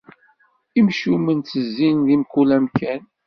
Imcumen ttezzin di mkul amkan.